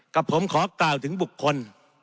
กับผมขอกล่าวถึงบุคคล